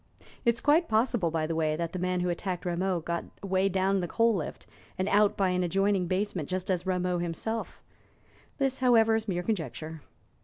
It is quite possible, by the way, that the man who attacked Rameau got away down the coal lift and out by an adjoining basement, just as did Rameau himself; this, however, is mere conjecture.